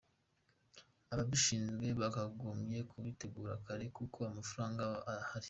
Ababishinzwe bakagombye kubitegura kare kuko amafaranga aba ahari”.